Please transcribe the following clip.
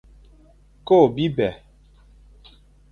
Ko biba.